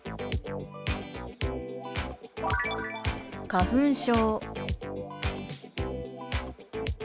「花粉症」。